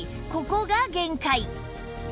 ここが限界！